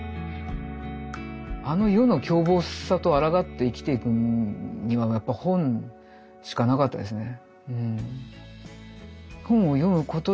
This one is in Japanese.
あの世の凶暴さとあらがって生きていくにはやっぱ本しかなかったですね。